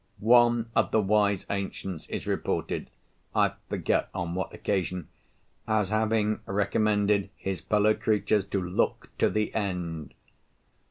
One of the wise ancients is reported (I forget on what occasion) as having recommended his fellow creatures to "look to the end."